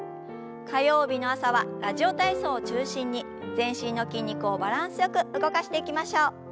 火曜日の朝は「ラジオ体操」を中心に全身の筋肉をバランスよく動かしていきましょう。